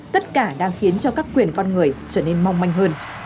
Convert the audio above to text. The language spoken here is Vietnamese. tất cả đang khiến cho các quyền con người trở nên mong manh hơn